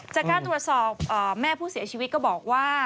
จากการตรวจสอบแม่ผู้เสียชีวิตก็บอกว่า